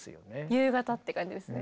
夕方って感じですね。